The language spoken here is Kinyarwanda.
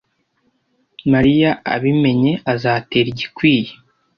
Mariya abimenye azatera igikwiye.